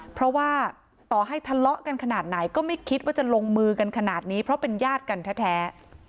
เพราะว่าต่อให้ทะเลาะกันขนาดไหนก็ไม่คิดว่าจะลงมือกันขนาดนี้เพราะเป็นญาติกันแท้